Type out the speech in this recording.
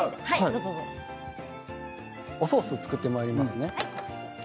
おソースを作っていきます。